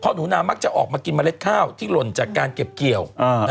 หนูนามักจะออกมากินเมล็ดข้าวที่หล่นจากการเก็บเกี่ยว